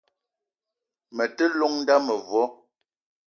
Me te llong n'da mevo.